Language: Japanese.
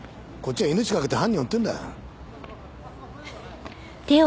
こっちは命懸けて犯人を追ってるんだよ。